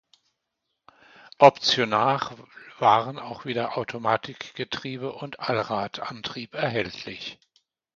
Optional waren auch wieder Automatikgetriebe und Allradantrieb erhältlich.